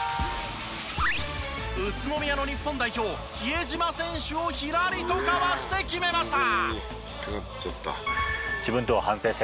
宇都宮の日本代表比江島選手をひらりとかわして決めました。